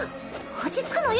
落ち着くのよ